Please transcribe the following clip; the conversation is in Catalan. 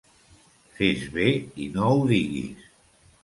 Fes bé i no ho diguis.